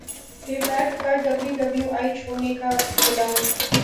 رے بیک کا ڈبلیو ڈبلیو ای چھوڑنے کا اعلان